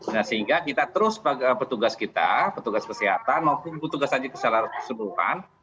nah sehingga kita terus petugas kita petugas kesehatan maupun petugas haji secara keseluruhan